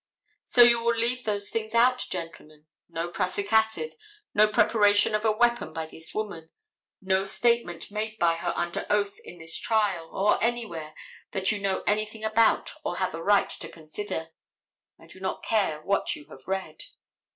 So you will leave those things out, gentlemen. No prussic acid, no preparation of a weapon by this woman, no statement made by her under oath in this trial, or anywhere that you know anything about or have a right to consider—I do not care what you have read.